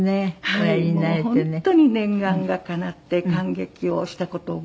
本当に念願がかなって感激をした事を覚えています。